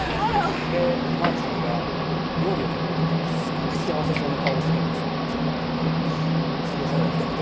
まーちんが料理を食べる時ってすごく幸せそうな顔をするんですちょっと待ってその顔が見たくて？